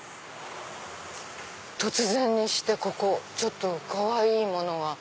突然にしてここちょっとかわいいものが。